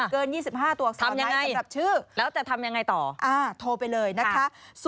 เกิน๒๕ตัวทำยังไงแล้วจะทำยังไงต่อโทรไปเลยนะคะ๐๒๓๕๖๑๑๑๑